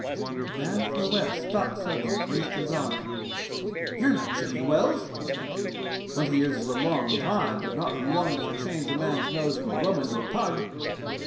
The man from the West stopped suddenly and released his arm. "You're not Jimmy Wells," he snapped. "Twenty years is a long time, but not long enough to change a man's nose from a Roman to a pug."